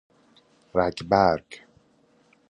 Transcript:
رگبرگ